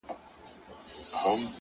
انسان خپل عادتونه بدل کړي، ژوند بدلېږي،